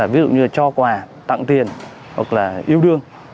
ví dụ như cho quà tặng tiền hoặc là yêu đương